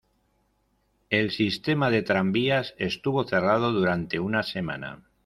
El sistema de tranvías estuvo cerrado durante una semana.